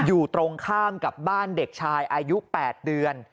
อยู่ตรงข้ามกับบ้านเด็กชายอายุ๘เดือน